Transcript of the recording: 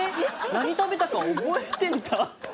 何食べたか覚えてんだ。